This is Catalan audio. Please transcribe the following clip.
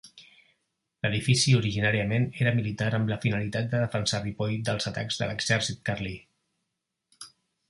L'edifici originàriament era militar amb la finalitat de defensar Ripoll dels atacs de l'exèrcit carlí.